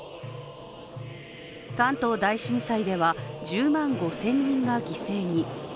関東大震災では、１０万５０００人が犠牲に。